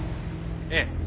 ええ。